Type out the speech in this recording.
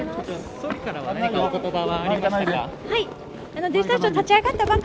総理からは何かお言葉はありましたか？